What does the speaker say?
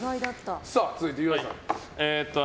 続いて、岩井さん。